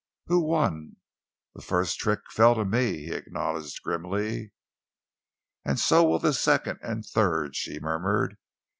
"Who won?" "The first trick fell to me," he acknowledged grimly. "And so will the second and the third," she murmured.